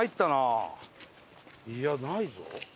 いやないぞ。